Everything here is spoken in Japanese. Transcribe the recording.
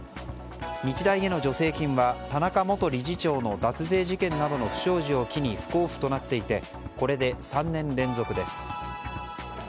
日大への助成金は田中元理事長の脱税事件などの不祥事を機に不交付となっていてこれで３年連続です。